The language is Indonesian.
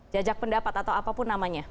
jajak pendapat atau apapun namanya